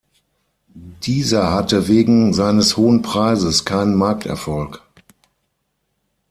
Dieser hatte wegen seines hohen Preises keinen Markterfolg.